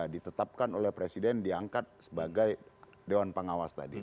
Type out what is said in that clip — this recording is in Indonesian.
ditetapkan oleh presiden diangkat sebagai dewan pengawas tadi